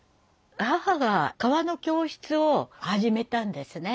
母が革の教室を始めたんですね。